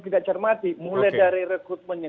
kita cermati mulai dari rekrutmennya